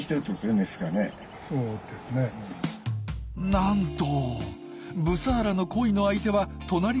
なんとブサーラの恋の相手は隣の群れのメス。